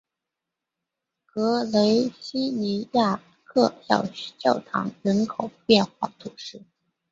格雷西尼亚克小教堂人口变化图示